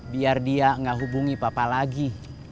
biar dia nggak hubungi papa lagi